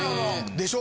「でしょ？」